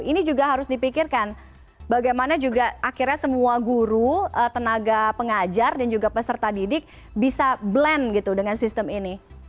ini juga harus dipikirkan bagaimana juga akhirnya semua guru tenaga pengajar dan juga peserta didik bisa blend gitu dengan sistem ini